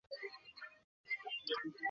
আমি তোমাকে অপেক্ষা করিয়ে রেখেছি।